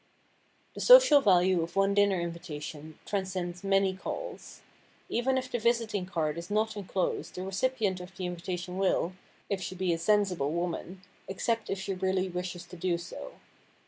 The social value of one dinner invitation transcends many calls. Even if the visiting card is not enclosed the recipient of the invitation will—if she be a sensible woman—accept if she really wishes to do so.